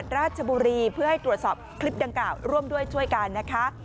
ราชบุรีเพื่อให้ตรวจสอบคลิปดังกล่าวร่วมด้วยช่วยกันนะคะ